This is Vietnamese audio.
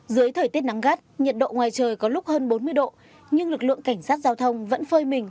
dưới thời tiết nắng gắt nhiệt độ ngoài trời có lúc hơn bốn mươi độ nhưng lực lượng cảnh sát giao thông vẫn phơi mình